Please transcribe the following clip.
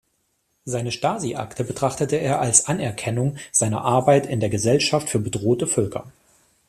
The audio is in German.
Seine Stasi-Akte betrachtet er als „Anerkennung“ seiner Arbeit in der Gesellschaft für bedrohte Völker.